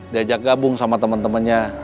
diajak gabung sama temen temennya